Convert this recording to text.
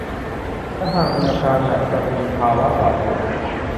และหากมีอาการหนักจะมีภาวะปอดบวม